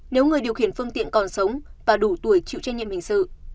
nếu người điều khiển phương tiện còn sống và đủ tuổi chịu trách nhiệm hình sự